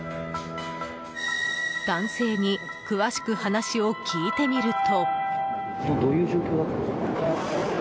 男性に詳しく話を聞いてみると。